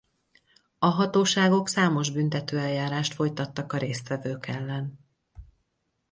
A hatóságok számos büntetőeljárást folytattak a résztvevők ellen.